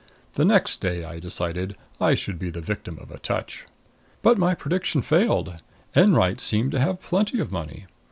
The next day, I decided, I should be the victim of a touch. But my prediction failed; Enwright seemed to have plenty of money.